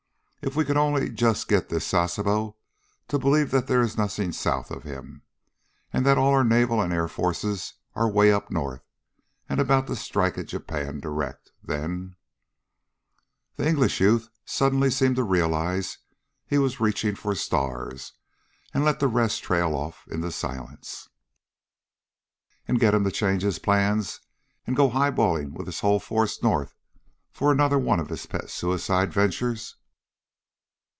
"If we could only just get this Sasebo to believe that there is nothing south of him, and that all our naval and air forces are way up north and about to strike at Japan direct, then " The English youth suddenly seemed to realize he was reaching for stars, and let the rest trail off into silence. "And get him to change his plans and go high balling with his whole force north for another one of his pet suicide ventures?"